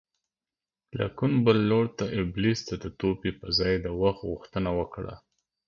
لاکن بل لور ته ابلیس د توبې په ځای د وخت غوښتنه وکړه